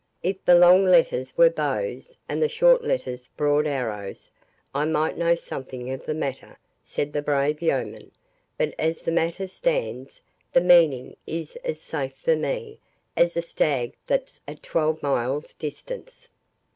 "If the long letters were bows, and the short letters broad arrows, I might know something of the matter," said the brave yeoman; "but as the matter stands, the meaning is as safe, for me, as the stag that's at twelve miles distance."